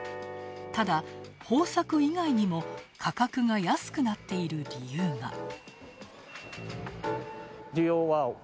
ただ、豊作以外にも価格が安くなっている理由が。